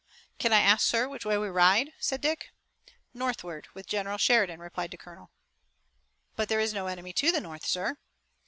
"Can I ask, sir, which way we ride?" said Dick. "Northward with General Sheridan," replied the Colonel. "But there is no enemy to the north, sir!"